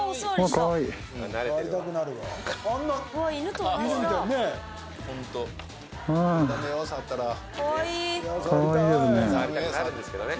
かわいいですね。